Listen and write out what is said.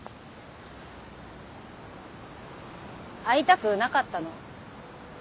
会いたくなかったの。